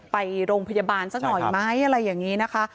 ไปโรงพยาบาลสักหน่อยไหมอะไรอย่างนี้นะคะ